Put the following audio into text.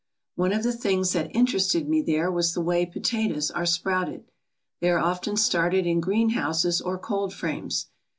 One of the things that interested me there was the way potatoes are sprouted. They are often started in greenhouses or cold frames.